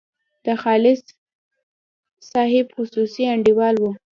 د خالص صاحب خصوصي انډیوال وو.